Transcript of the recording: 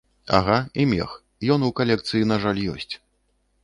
Ага, і мех, ён у калекцыі, на жаль, ёсць.